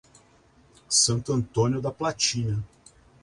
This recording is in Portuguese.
Santo Antônio da Platina